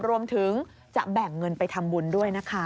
รวมถึงจะแบ่งเงินไปทำบุญด้วยนะคะ